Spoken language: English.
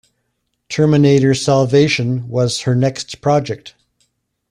"Terminator Salvation" was her next project.